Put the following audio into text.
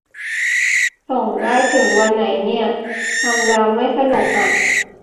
ส่งได้ถึงวันไหนเนี่ย ทำแล้วไม่หนุกอ่ะ